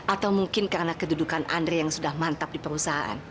atau mungkin karena kedudukan andre yang sudah mantap di perusahaan